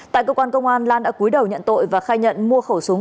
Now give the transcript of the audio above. tại cơ quan công an lan đã cuối đầu nhận tội và khai nhận mua khẩu súng